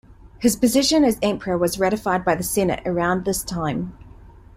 His position as emperor was ratified by the Senate around this time.